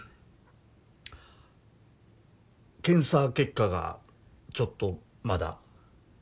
検査結果がちょっとまだ。